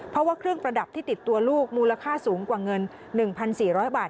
เพราะว่าเครื่องประดับที่ติดตัวลูกมูลค่าสูงกว่าเงิน๑๔๐๐บาท